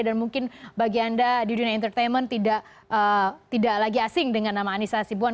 dan mungkin bagi anda di dunia entertainment tidak lagi asing dengan nama anissa asibuan